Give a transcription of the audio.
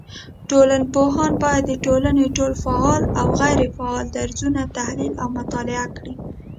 ټولنپوهان بايد د ټولني ټول فعال او غيري فعاله درځونه تحليل او مطالعه کړي